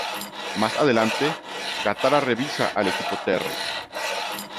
Más adelante, Katara revisa al Equipo Terra.